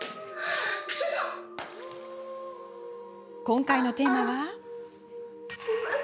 今回のテーマは。